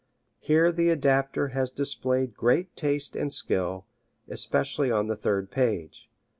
Here the adapter has displayed great taste and skill, especially on the third page.